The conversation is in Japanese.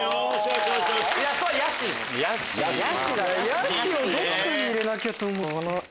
「やし」をどっかに入れなきゃと思って。